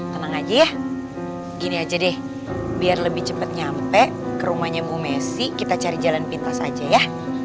tenang aja ya gini aja deh biar lebih cepat nyampe ke rumahnya bu messi kita cari jalan pintas aja ya